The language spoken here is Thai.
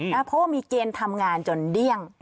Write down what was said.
เพราะว่ามีเกณฑ์ทำงานจนเดี้ยง